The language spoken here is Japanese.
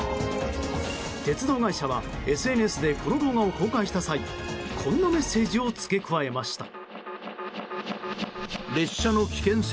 鉄道会社は、ＳＮＳでこの動画を公開した際こんなメッセージを付け加えました。